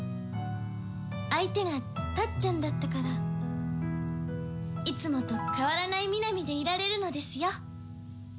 相手がタッちゃんだったからいつもと変わらない南でいられるのですよ。